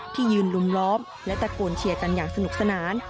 ยืนลุมล้อมและตะโกนเชียร์กันอย่างสนุกสนาน